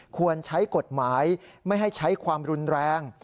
ควรใช้กฎหมายไม่ให้ใช้ความรุนแรง